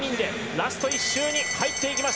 ラスト１周に入っていきます